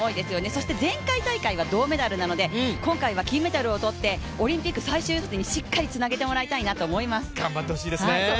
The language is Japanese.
そして前回大会は銅メダルなので今回は金メダルをとってオリンピックにしっかりとつなげていってもらいたいと思います。